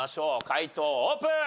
解答オープン！